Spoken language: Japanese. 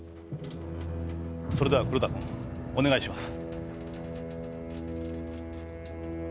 それでは黒田君お願いします。